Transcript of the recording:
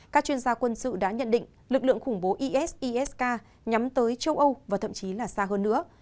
các chuyên gia quân sự đã nhận định lực lượng khủng bố isisk nhắm tới châu âu và thậm chí là xa hơn nữa